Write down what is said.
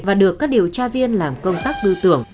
và được các điều tra viên làm công tác tư tưởng